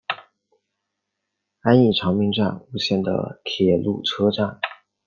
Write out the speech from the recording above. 安艺长滨站吴线的铁路车站。